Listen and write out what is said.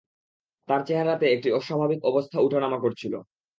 তাঁর চেহারাতে একটি অস্বাভাবিক অবস্থা উঠানামা করছিল।